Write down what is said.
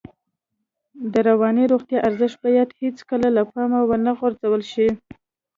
د رواني روغتیا ارزښت باید هېڅکله له پامه ونه غورځول شي.